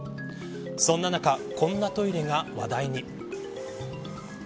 そんな中こんなトイレが話題に。